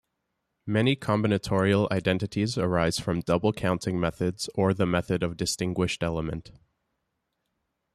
Many combinatorial identities arise from double counting methods or the method of distinguished element.